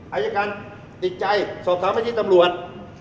อายการติดใจสอบถามไปที่ตำรวจ